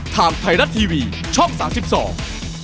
ท่านไทรัตทีวีช่อง๓๒